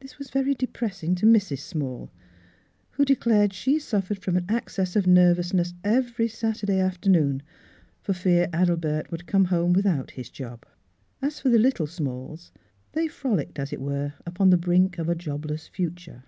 This was very depressing to Mrs. Small, who de Miss Philura's Wedding Gown clared she suffered from an access of nerv ousness every Saturday afternoon, for fear Adelbert would come home without his job. As for the little Smalls, they frolicked, as it were, upon the brink of a jobless future.